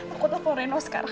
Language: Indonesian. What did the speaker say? aku telfon reno sekarang